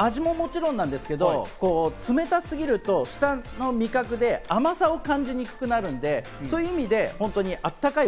味ももちろんなんですけど、冷たすぎると舌の味覚で甘さを感じにくくなるので、そういう意味であったかい